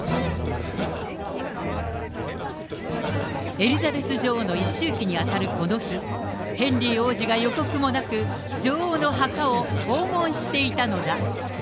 エリザベス女王の一周忌に当たるこの日、ヘンリー王子が予告もなく、女王の墓を訪問していたのだ。